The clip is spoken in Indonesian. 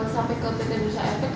sampai ke pt bursa efek